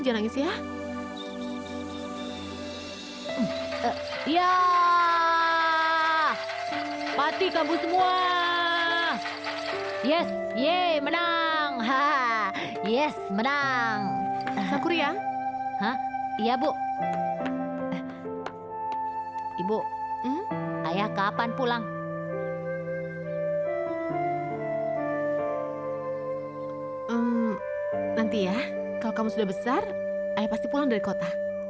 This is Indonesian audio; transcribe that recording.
nanti ya kalau kamu sudah besar ayah pasti pulang dari kota